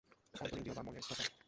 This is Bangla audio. অন্তরিন্দ্রিয় বা মনের স্তর চারটি।